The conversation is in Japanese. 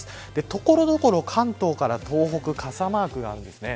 所々、関東から東北傘マークがあるんですね。